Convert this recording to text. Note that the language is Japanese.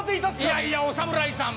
いやいやお侍さん。